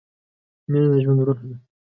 مینه د ژوند روح ده.